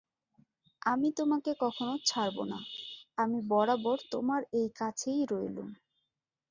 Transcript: আমি তোমাকে কখনো ছাড়ব না– আমি বরাবর তোমার এই কাছেই রইলুম।